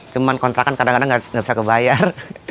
cuma kontrakan kadang kadang nggak bisa kebayar